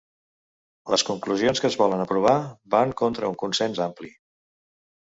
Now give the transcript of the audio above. Les conclusions que es volen aprovar van contra un consens ampli.